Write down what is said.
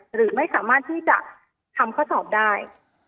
หรือไม่สามารถที่จะทำข้อสอบได้